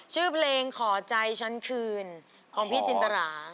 ชื่อเพลงขอใจฉันคืนของพี่จินตรา